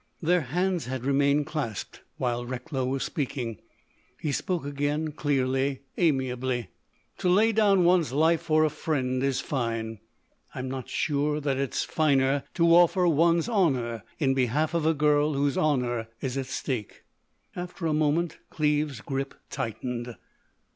Their hands had remained clasped while Recklow was speaking. He spoke again, clearly, amiably: "To lay down one's life for a friend is fine. I'm not sure that it's finer to offer one's honour in behalf of a girl whose honour is at stake." After a moment Cleves's grip tightened.